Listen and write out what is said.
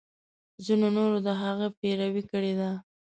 ځینو نورو د هغه پیروي کړې ده.